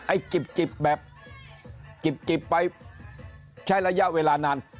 จิบแบบจิบไปใช้ระยะเวลานาน